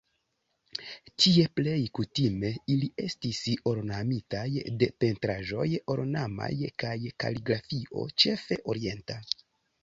Tie plej kutime ili estis ornamitaj de pentraĵoj ornamaj kaj kaligrafio, ĉefe orienta.